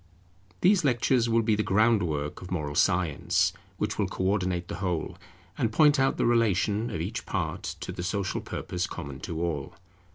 These lectures will be the groundwork of Moral Science, which will co ordinate the whole, and point out the relation of each part to the social purpose common to all.